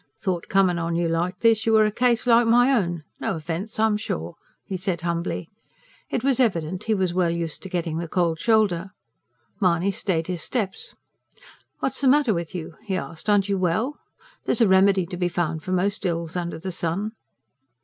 "Thought, comin' on you like this, you were a case like my own. No offence, I'm sure," he said humbly. It was evident he was well used to getting the cold shoulder. Mahony stayed his steps. "What's the matter with you?" he asked. "Aren't you well? There's a remedy to be found for most ills under the sun."